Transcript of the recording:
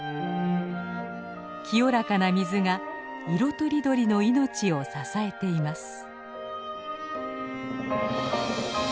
清らかな水が色とりどりの命を支えています。